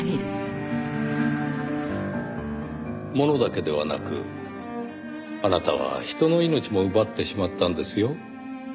ものだけではなくあなたは人の命も奪ってしまったんですよ。